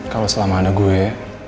kalau selama ada gue